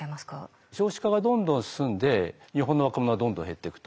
少子化がどんどん進んで日本の若者はどんどん減っていくと。